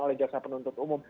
oleh jaksa penuntut umum